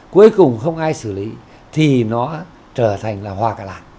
cuối cùng không ai xử lý thì nó trở thành là hòa cả làng